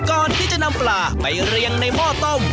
ก่อนที่จะนำปลาไปเรียงในหม้อต้ม